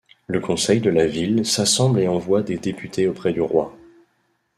Le conseil de la ville s'assemble et envoie des députés auprès du roi.